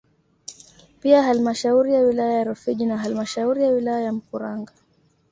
Pia halmashauri ya wilaya ya Rufiji na halmashauri ya wilaya ya Mkuranga